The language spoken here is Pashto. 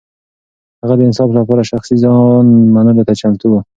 هغه د انصاف لپاره شخصي زيان منلو ته چمتو و.